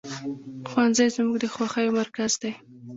ښوونځی زموږ د خوښیو مرکز دی